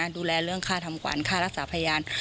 ดูแลเรื่องค่าทำขวัญค่ารักษาพยาน